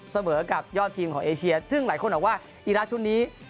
เสมอกับยอดทีมของเอเชียซึ่งหลายคนบอกว่าอีรักษ์ชุดนี้